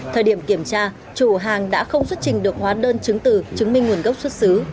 thời điểm kiểm tra chủ hàng đã không xuất trình được hóa đơn chứng từ chứng minh nguồn gốc xuất xứ